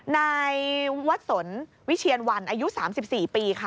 ในวัดศรวิเชียร์๑อายุ๓๔ปีค่ะ